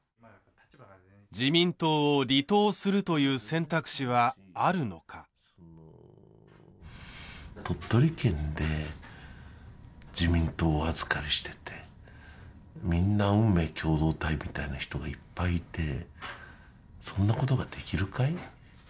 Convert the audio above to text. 自民党を離党するという選択肢はあるのか鳥取県で自民党をお預かりしててみんな運命共同体みたいな人がいっぱいいてそんなことができるかい？